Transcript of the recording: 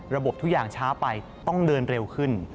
ทุกอย่างช้าไปต้องเดินเร็วขึ้น